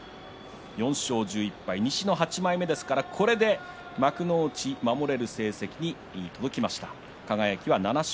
４勝１１敗、西の８枚目ですからこれで幕内を守れる成績に届きました。